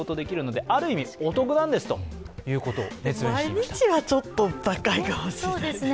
毎日はちょっと高いかもしれないですけどね